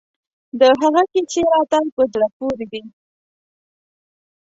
د هغه کیسې راته په زړه پورې دي.